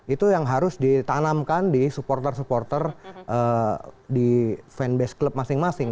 itu yang harus ditanamkan di supporter supporter di fanbase club masing masing